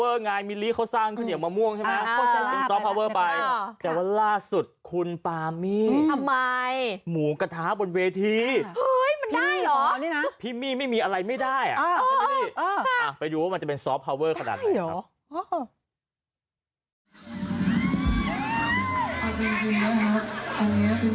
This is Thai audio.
เป็นเสียงที่ครอบครัวให้พลาดคุณใจที่สุดเป็นอย่างที่อยู่ในหวังของคนเชิญมาเลยนะครับ